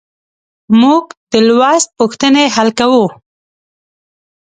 موږ د لوست پوښتنې حل کوو.